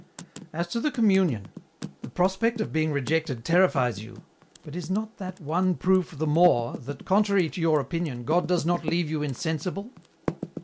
*' As to the Communion, the prospect of being rejected terrifies you, but is not that one proof the more that, contraiy to your opinion, God does not leave you insen sible